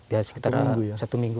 ya sekitar satu minggu